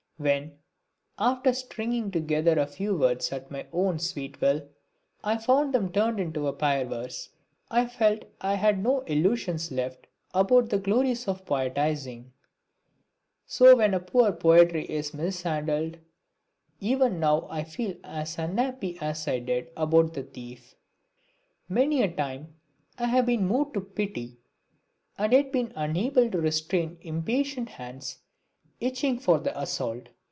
When, after stringing together a few words at my own sweet will, I found them turned into a payar verse I felt I had no illusions left about the glories of poetising. So when poor Poetry is mishandled, even now I feel as unhappy as I did about the thief. Many a time have I been moved to pity and yet been unable to restrain impatient hands itching for the assault.